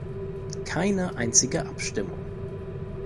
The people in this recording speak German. Keine einzige Abstimmung.